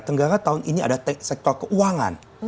tenggara tahun ini ada sektor keuangan